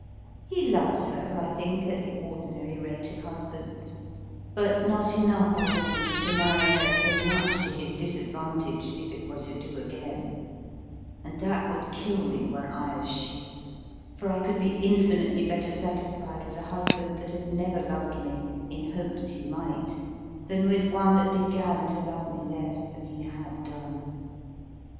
He loves her, I think, at the ordinary rate of husbands, but not enough, I believe, to marry her so much to his disadvantage if it were to do again; and that would kill me were I as she, for I could be infinitely better satisfied with a husband that had never loved me in hopes he might, than with one that began to love me less than he had done.